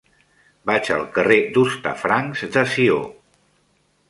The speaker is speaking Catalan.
Vaig al carrer d'Hostafrancs de Sió.